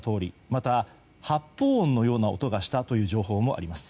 また、発砲音のような音がしたという情報もあります。